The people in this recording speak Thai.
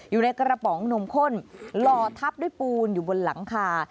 อยู่ในกระป๋องนมข้นหล่อทับด้วยปูนอยู่บนหลังคา